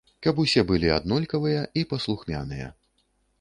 Каб усе былі аднолькавыя і паслухмяныя.